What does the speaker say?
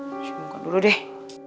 cuci muka dulu deh